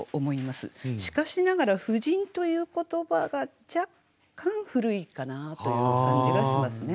しかしながら「婦人」という言葉が若干古いかなという感じがしますね。